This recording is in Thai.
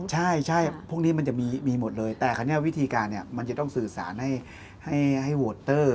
ใช่พวกนี้มันจะมีหมดเลยแต่คราวนี้วิธีการมันจะต้องสื่อสารให้โวเตอร์